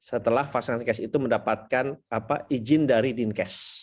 setelah vaksinasi kes itu mendapatkan izin dari dinkes